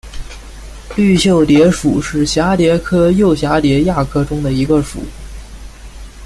绿袖蝶属是蛱蝶科釉蛱蝶亚科中的一个属。